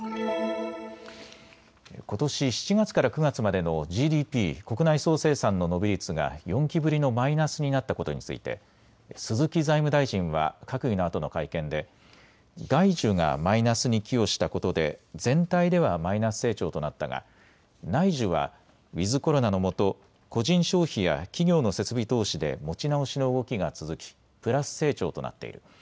ことし７月から９月までのＧＤＰ・国内総生産の伸び率が４期ぶりのマイナスになったことについて鈴木財務大臣は閣議のあとの会見で外需がマイナスに寄与したことで全体ではマイナス成長となったが内需はウィズコロナのもと個人消費や企業の設備投資で持ち直しの動きが続きプラス成長となっている。